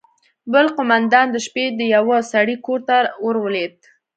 بل قومندان د شپې د يوه سړي کور ته ورولوېد.